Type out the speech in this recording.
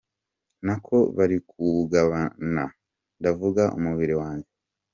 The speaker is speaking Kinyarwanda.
Nako bari kuwugabanaaaa ndavuga umubiri wanjye.